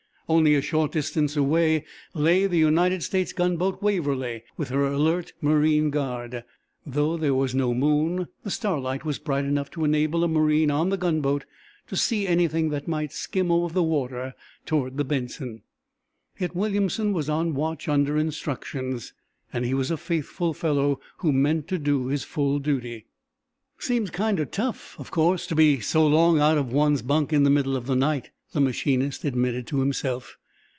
Only a short distance away lay the United States gunboat "Waverly," with her alert marine guard. Though there was no moon, the starlight was bright enough to enable a marine on the gunboat to see anything that might skim over the water toward the "Benson." Yet Williamson was on watch, under instructions, and he was a faithful fellow who meant to do his full duty. "Seems kinder tough, of course, to be so long out of one's bunk in the middle of the night," the machinist admitted to himself.